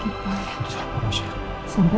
kita berikan kasih sayapa ya